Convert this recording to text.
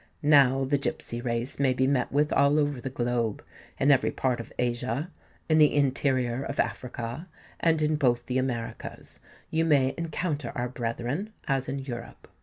Now the gipsy race may be met with all over the globe: in every part of Asia, in the interior of Africa, and in both the Americas, you may encounter our brethren, as in Europe.